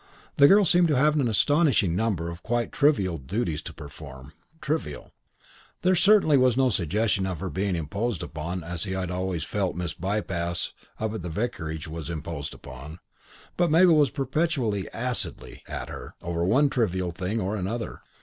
The girl seemed to have an astonishing number of quite trivial duties to perform trivial; there certainly was no suggestion of her being imposed upon as he had always felt Miss Bypass up at the vicarage was imposed upon, but Mabel was perpetually and acidly "at her" over one trivial thing or another.